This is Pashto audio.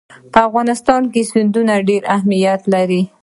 په افغانستان کې سیندونه ډېر اهمیت لري.